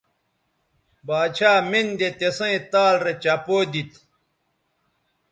باڇھا مِن دے تِسیئں تال رے چپو دیتھ